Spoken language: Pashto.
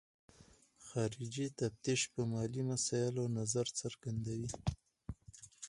خارجي تفتیش په مالي مسایلو نظر څرګندوي.